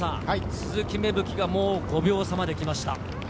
鈴木芽吹が５秒差まで来ました。